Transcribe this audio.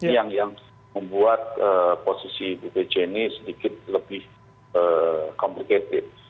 yang membuat posisi ibu pc ini sedikit lebih komplikated